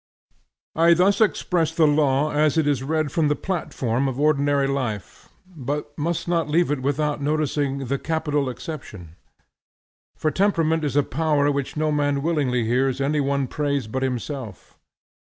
I thus express the law as it is read from the platform of ordinary life, but must not leave it without noticing the capital exception. For temperament is a power which no man willingly hears any one praise but himself.